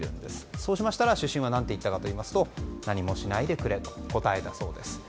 そうしましたら主審は何と言ったかといいますと何もしないでくれと答えたそうです。